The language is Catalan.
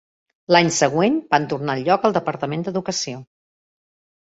L'any següent, van tornar el lloc al Departament d'Educació.